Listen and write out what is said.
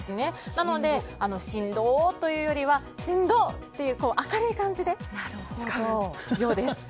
なのでしんどというよりはしんど！と明るい感じで使うようです。